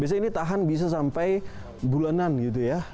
biasanya ini tahan bisa sampai bulanan gitu ya